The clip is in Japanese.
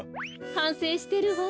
はんせいしてるわ。